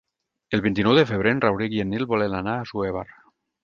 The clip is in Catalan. El vint-i-nou de febrer en Rauric i en Nil volen anar a Assuévar.